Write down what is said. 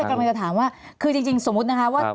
กำลังจะถามว่าคือจริงสมมุตินะคะว่า